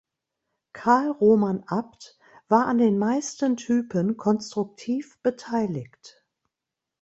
Carl Roman Abt war an den meisten Typen konstruktiv beteiligt.